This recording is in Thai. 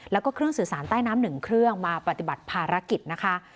แล้วก็เครื่องสื่อสารใต้น้ำหนึ่งเครื่องมาปฏิบัติภารกิจนะคะ